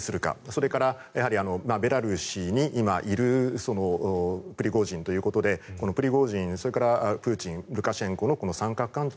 それから、ベラルーシに今いるプリゴジンということでプリゴジン、それからプーチンルカシェンコの三角関係